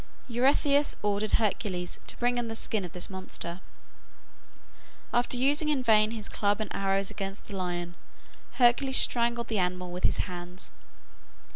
Eurystheus ordered Hercules to bring him the skin of this monster. After using in vain his club and arrows against the lion, Hercules strangled the animal with his hands.